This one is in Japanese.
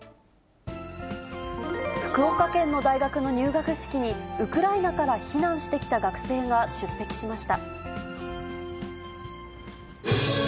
福岡県の大学の入学式に、ウクライナから避難してきた学生が出席しました。